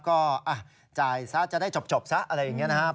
ก็จ่ายซะจะได้จบซะอะไรอย่างนี้นะครับ